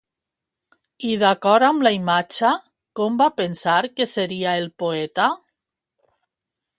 I d'acord amb la imatge, com va pensar que seria el poeta?